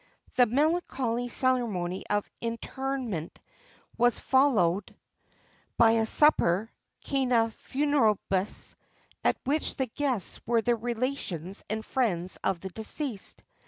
[XXX 34] The melancholy ceremony of interment was followed by a supper (cœna funebris), at which the guests were the relations and friends of the deceased.